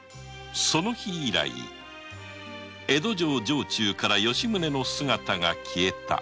その日以後江戸城から吉宗の姿が消えた。